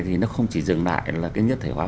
thì nó không chỉ dừng lại là cái nhất thể hóa